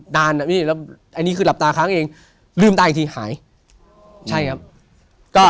นึกถึงหลวงปูหรือสีที่ผมนับถึง